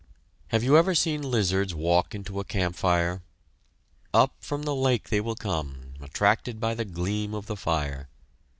Have you ever seen lizards walk into a campfire? Up from the lake they will come, attracted by the gleam of the fire.